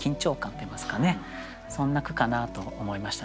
そんな句かなと思いましたね。